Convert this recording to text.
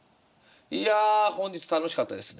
いや本日楽しかったですね。